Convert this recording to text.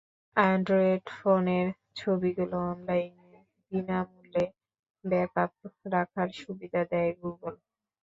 Android ফোনের ছবিগুলো অনলাইনে বিনা মূল্যে ব্যাকআপ রাখার সুবিধা দেয় গুগল।